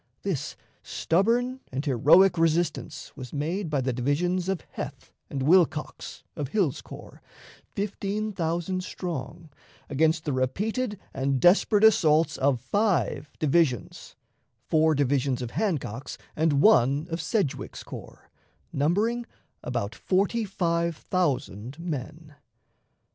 This stubborn and heroic resistance was made by the divisions of Heth and Wilcox, of Hill's corps, fifteen thousand strong, against the repeated and desperate assaults of five divisions four divisions of Hancock's and one of Sedgwick's corps, numbering about forty five thousand men.